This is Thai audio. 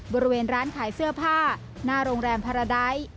บริเวณร้านขายเสื้อผ้าหน้าโรงแรมพาราไดท์